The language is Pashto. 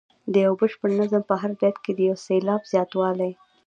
د یو بشپړ نظم په هر بیت کې د یو سېلاب زیاتوالی.